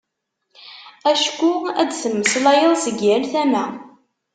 Acku ad d-temmeslayeḍ seg yal tama.